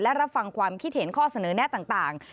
และรับฟังความคิดเห็นข้อเสนอแน่ต่าง